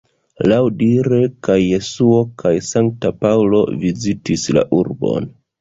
Laŭdire kaj Jesuo kaj Sankta Paŭlo vizitis la urbon.